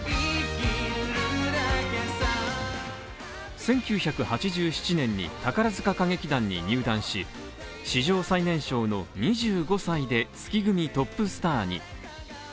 １９８７年に宝塚歌劇団に入団し、史上最年少の２５歳で月組トップスターに。